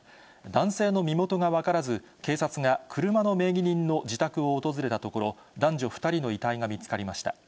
男性の身元が分からず、警察が車の名義人の自宅を訪れたところ、男女２人の遺体が見つかりました。